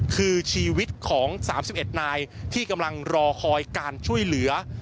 คือชีวิตของ๓๑นายที่กำลังรอคอยการช่วยเหลือ